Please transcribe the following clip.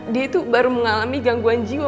dia itu baru mengalami gangguan jiwa